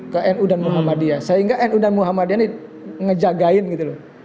ke nu dan muhammadiyah sehingga nu dan muhammadiyah ini ngejagain gitu loh